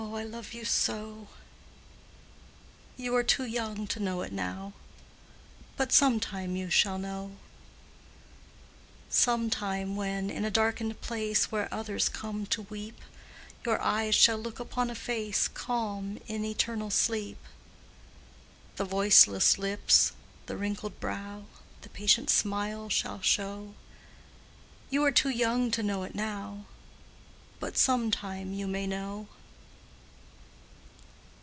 I love you so You are too young to know it now, But some time you shall know! Some time when, in a darkened place Where others come to weep, Your eyes shall look upon a face Calm in eternal sleep, The voiceless lips, the wrinkled brow, The patient smile shall show You are too young to know it now, But some time you may know!